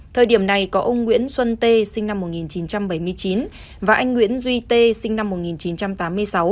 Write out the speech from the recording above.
thời điểm này có ông nguyễn xuân tê sinh năm một nghìn chín trăm bảy mươi chín và anh nguyễn duy tê sinh năm một nghìn chín trăm tám mươi sáu